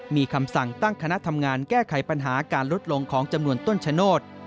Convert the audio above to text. มีคำสั่งตั้งคณะทำงานแก้ไขปัญหาการลดลงของจำนวนต้นชะโนธ